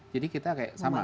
jadi kita kayak sama